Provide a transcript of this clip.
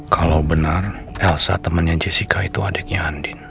kalau benar elsa temannya jessica itu adiknya andin